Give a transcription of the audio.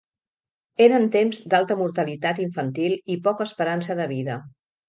Eren temps d'alta mortalitat infantil i poca esperança de vida.